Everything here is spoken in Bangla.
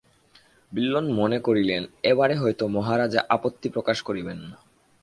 বিল্বন মনে করিলেন, এবারে হয়তো মহারাজা আপত্তি প্রকাশ করিবেন না।